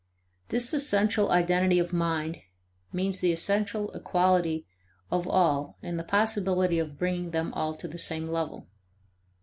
This essential identity of mind means the essential equality of all and the possibility of bringing them all to the same level.